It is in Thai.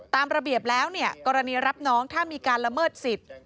ตามระเบียบแล้วเนี่ยกรณีรับน้องถ้ามีการละเมิดสิทธิ์